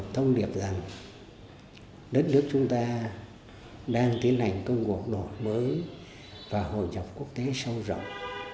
thông điệp rằng đất nước chúng ta đang tiến hành công cuộc đổi mới và hội nhập quốc tế sâu rộng